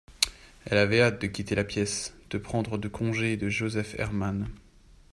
Elle avait hâte de quitter la pièce, de prendre de congé de Joseph Herman